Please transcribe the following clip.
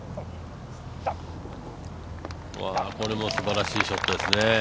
これもすばらしいショットですね。